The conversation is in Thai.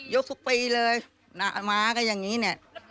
ยกทุกปีเลยหนักหมาก็อย่างนี้เนี่ย